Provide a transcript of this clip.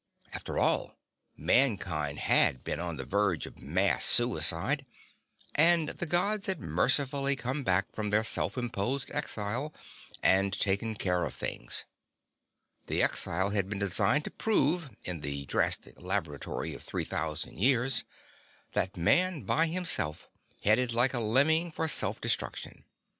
After all, mankind had been on the verge of mass suicide, and the Gods had mercifully come back from their self imposed exile and taken care of things. The exile had been designed to prove, in the drastic laboratory of three thousand years, that Man by himself headed like a lemming for self destruction.